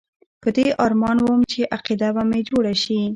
په دې ارمان وم چې عقیده به مې جوړه شي.